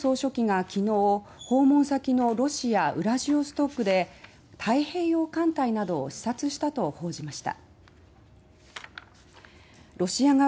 北朝鮮メディアは金正恩総書記が昨日訪問先のロシア極東ウラジオストクで太平洋艦隊などを視察したと報じました。